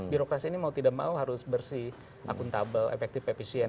birokrasi ini mau tidak mau harus bersih akuntabel efektif efisien